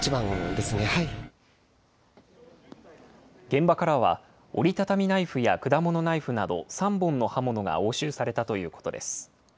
現場からは、折り畳みナイフや果物ナイフなど、３本の刃物が押収されたということです。